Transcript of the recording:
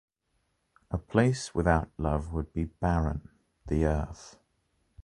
a place without love would be barren ...the earth